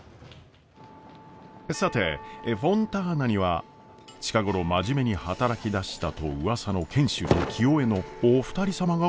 さてフォンターナには近頃真面目に働きだしたとうわさの賢秀と清恵のお二人様がご来店！